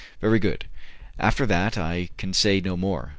"Very good; after that I can say no more.